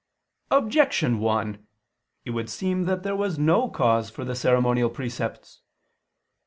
Objection 1: It would seem that there was no cause for the ceremonial precepts.